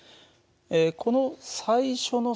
この最初の速度